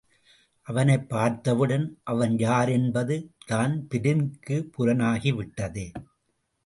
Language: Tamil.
அவனைப் பார்த்தவுடன் அவன் யாரென்பது தான்பிரினுக்குப் புலனாகிவிட்டது.